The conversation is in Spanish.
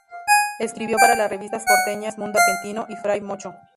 Escribió para las revistas porteñas "Mundo Argentino" y "Fray Mocho".